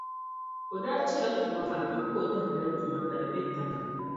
O daa chala tuma maa ka kpa o dahalali tuma ka di be Tamali.